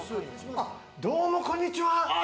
どうもこんにちは。